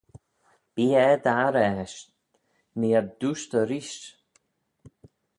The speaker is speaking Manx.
Bee er dt'arrey eisht, nee ad doostey reesht.